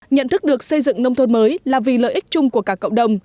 nhận thức được xây dựng nông thôn mới là vì lợi ích chung của cả cộng đồng